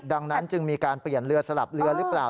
ดังนั้นจึงมีการเปลี่ยนเรือสลับเรือหรือเปล่า